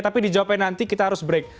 tapi dijawabnya nanti kita harus break